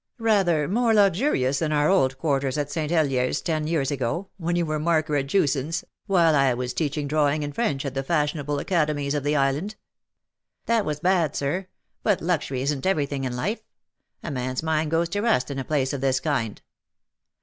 ^''^ Rather more luxurious than our old quarters at St. Heliers ten years ago, when you were marker at Jewson's, while I was teaching drawing and French at the fashionable academies of the island/^ " That was bad, Sir ; but luxury isn't everything in life. A man's mind goes to rust in a place of this kind."